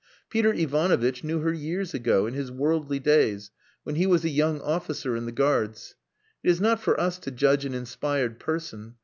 Peter Ivanovitch knew her years ago, in his worldly days, when he was a young officer in the Guards. It is not for us to judge an inspired person.